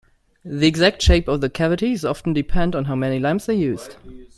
The exact shape of the cavity is often dependent on how many lamps are used.